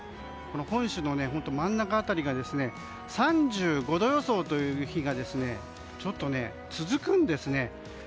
本州の真ん中辺りで３５度予想という日がちょっと続くんですね。